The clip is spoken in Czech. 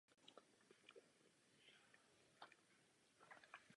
Zajímavá byla taktika tohoto spolku.